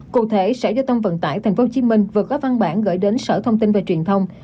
cụ thể sở giao thông vận tải tp hcm vừa có văn bản gửi đến sở thông tin và truyền thông